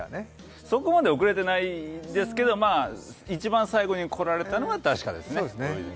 そこまで遅れてないんですけど、まあ、一番最後に来られたのは確かですね。